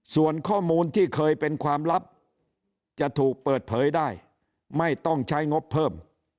ส่วนข้อมูลที่เคยเป็นความลับจะถูกเปิดเผยได้ไม่ต้องใช้งบเพิ่ม